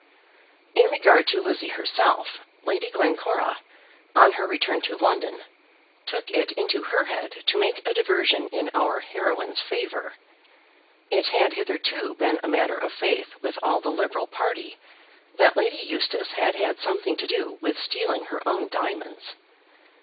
In regard to Lizzie herself, Lady Glencora, on her return to London, took it into her head to make a diversion in our heroine's favour. It had hitherto been a matter of faith with all the Liberal party that Lady Eustace had had something to do with stealing her own diamonds.